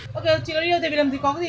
không có hàng việt nam hả chị